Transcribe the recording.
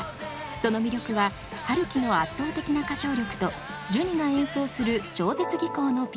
その魅力は陽樹の圧倒的な歌唱力とジュニが演奏する超絶技巧のピアノ。